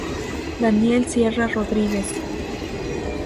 Daniel Sierra Rodríguez.